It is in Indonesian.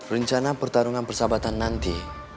rencana pertarungan persahabatan nanti